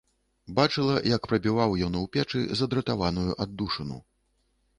Бачыла, як прабіваў ён у печы задратаваную аддушыну.